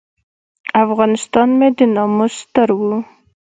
افغانستان مې د ناموس ستر و.